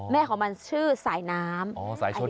แม่ของมันชื่อสายน้ำอายุ๔ปี